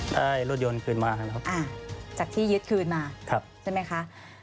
ได้รถยนต์คืนมานะครับจากที่ยึดคืนมาใช่ไหมคะ